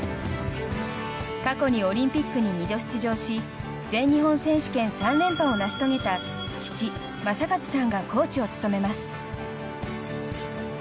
過去にオリンピックに２度出場し全日本選手権３連覇を成し遂げた父・正和さんがコーチを務めます。